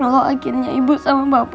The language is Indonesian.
lalu akhirnya ibu sama bapak mau pisah